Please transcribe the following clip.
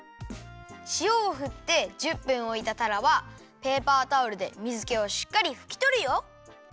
しおをふって１０分おいたたらはペーパータオルで水けをしっかりふきとるよ。